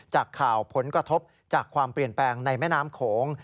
จากข่าวผลกระทบจากความเปลี่ยนแปลงในแม่น้ำโขง